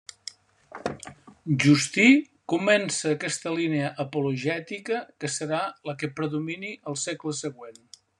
Justí comença aquesta línia apologètica que serà la que predomini al segle següent.